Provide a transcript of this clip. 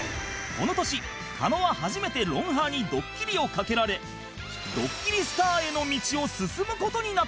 この年狩野は初めて『ロンハー』にドッキリを掛けられドッキリスターへの道を進む事になった